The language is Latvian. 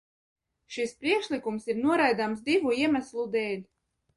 Šis priekšlikums ir noraidāms divu iemeslu dēļ.